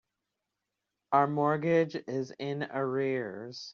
Our mortgage is in arrears.